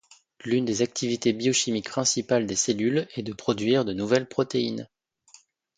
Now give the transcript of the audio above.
L'une des activités biochimiques principales des cellules est de produire de nouvelles protéines.